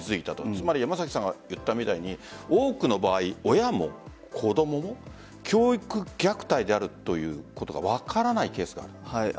つまり山崎さんが言ったみたいに多くの場合、親も子供も教育虐待であるということが分からないケースがある？